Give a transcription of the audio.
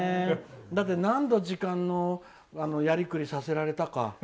だって、何度時間のやりくりさせられたか。